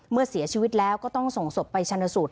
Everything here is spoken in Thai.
เมื่อเสียชีวิตแล้วก็ต้องส่งศพไปชนสูตร